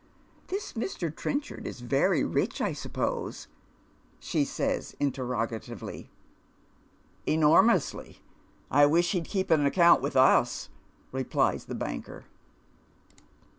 " This Mr. Trencliard is very rich, I suppose ?" she says, interrogativ(>ly. " Enormously. I wish he'd keep an account with us," replies the banker.